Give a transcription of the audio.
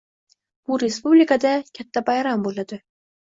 Bu respublikada katta bayram bo'ladi